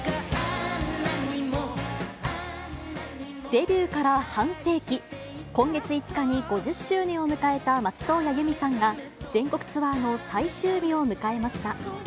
デビューから半世紀、今月５日に５０周年を迎えた松任谷由実さんが、全国ツアーの最終日を迎えました。